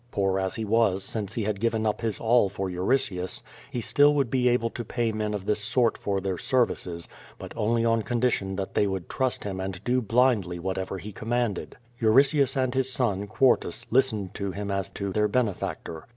Poor as he was since he had given up his all for Euritius, he still would be able to pay men of this sort for their senices, but only on condition that they would trust him and do blindly whatever he commanded. Euritius and his son, Quartus, listened to him as to their bene factor.